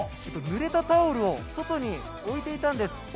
ぬれたタオルを外に置いていたんです。